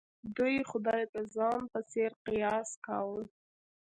دوی خدای د ځان په څېر قیاس کاوه.